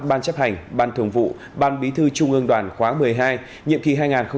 ban chấp hành ban thường vụ ban bí thư trung ương đoàn khoáng một mươi hai nhiệm kỳ hai nghìn hai mươi hai hai nghìn hai mươi bảy